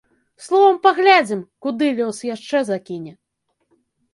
Словам, паглядзім, куды лёс яшчэ закіне!